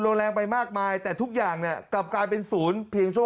แรงไปมากมายแต่ทุกอย่างเนี่ยกลับกลายเป็นศูนย์เพียงชั่